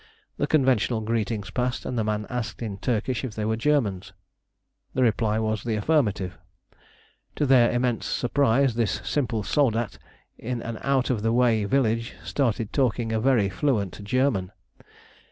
The conventional greetings passed, and the man asked in Turkish if they were Germans. The reply was in the affirmative. To their immense surprise this "simple soldat" in an out of the way village started talking a very fluent German.